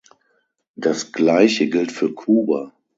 Das Gleiche gilt für Kuba.